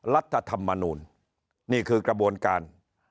รัฐธรรมนูลนี่คือกระบวนการ